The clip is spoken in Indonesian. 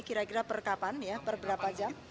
kira kira per kapan ya per berapa jam